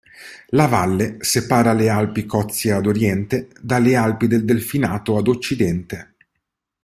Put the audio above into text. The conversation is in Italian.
La valle separa le Alpi Cozie ad oriente dalle Alpi del Delfinato ad occidente.